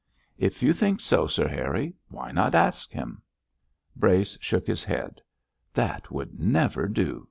'If you think so, Sir Harry, why not ask him?' Brace shook his head. 'That would never do!'